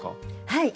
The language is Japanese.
はい。